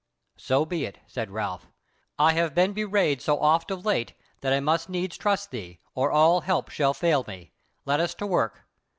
"So be it," said Ralph, "I have been bewrayed so oft of late, that I must needs trust thee, or all help shall fail me. Let us to work."